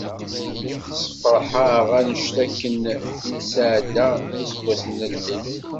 Ssefreḥ-aɣ annect akken i nesɛedda n yiseggasen n lḥif.